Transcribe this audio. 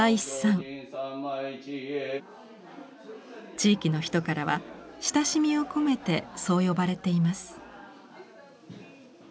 地域の人からは親しみを込めてそう呼ばれています。